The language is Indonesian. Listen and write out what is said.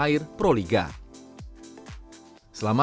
iya betul